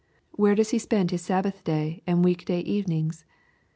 Where does he spend his Sabbath day and week day evenings?